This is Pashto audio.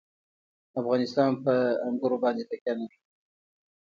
افغانستان په انګور باندې تکیه لري.